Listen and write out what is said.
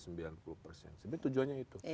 sebenarnya tujuannya itu